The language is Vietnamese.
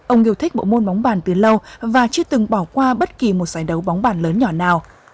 ông yêu thích bộ môn bóng bàn từ lâu và chưa từng bỏ qua bất kỳ một giải đấu bóng bàn lớn nhỏ nào